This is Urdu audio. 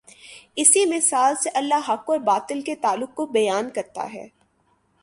اسی مثال سے اللہ حق اور باطل کے تعلق کو بیان کرتا ہے۔